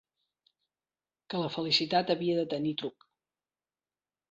Que la felicitat havia de tenir truc.